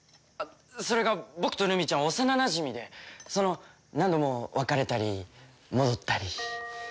それが僕とルミちゃん幼なじみで何度も別れたり戻ったり。